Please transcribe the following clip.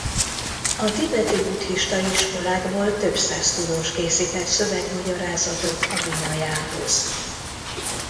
A tibeti buddhista iskolákból több száz tudós készített szövegmagyarázatot a Vinajához.